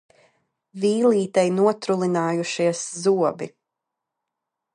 Vīlītei notrulinājušies zobi.